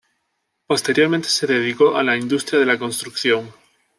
Posteriormente se dedicó a la industria de la construcción.